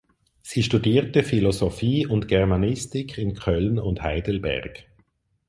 Sie studierte Philosophie und Germanistik in Köln und Heidelberg.